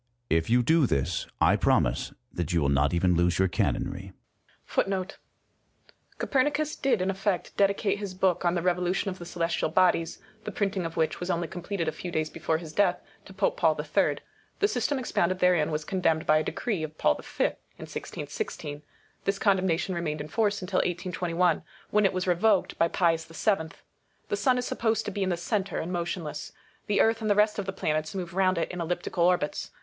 If you do this, I promise that you will not even lose your canonry. ^ Copernicus did in effect dedi cate his book on the "Revolution of the Celestial Bodies," the printing of which was only completed a few days before his death, to Pope Paul III. The system expounded therein was condemned by a decree of Paul v. in i6i6. This condemnation remained in force until 1 821, when it was revoked by Pius VII. The sun is supposed to be in the centre, and motionless ; the earth and the rest of the planets move round it in elliptical orbits.